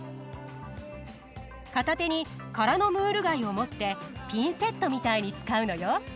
片手に空のムール貝を持ってピンセットみたいに使うのよ。